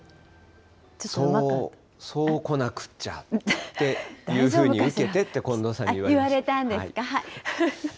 そうこなくっちゃってというふうに受けてって、近藤さんに言言われたんですか、はい。